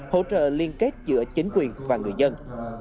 hỗ trợ liên kết giữa chính quyền và người dân